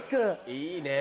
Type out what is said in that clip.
いいねぇ。